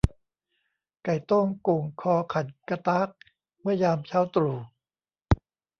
ไก่โต้งโก่งคอขันกะต๊าก เมื่อยามเช้าตรู่